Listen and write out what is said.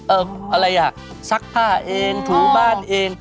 อะไรอ่ะซักผ้าเองถูบ้านเอง